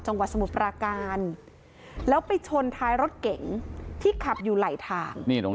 สมุทรปราการแล้วไปชนท้ายรถเก๋งที่ขับอยู่ไหลทาง